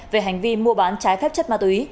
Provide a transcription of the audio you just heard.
về hành vi mua bán trái phép chất ma túy